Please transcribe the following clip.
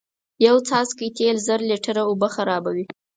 یو څاڅکی تیل زر لیتره اوبه خرابوی